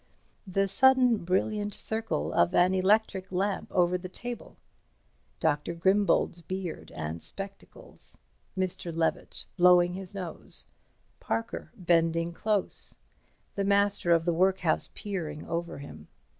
The sudden brilliant circle of an electric lamp over the table. Dr. Grimbold's beard and spectacles. Mr. Levett blowing his nose. Parker bending close. The Master of the Workhouse peering over him.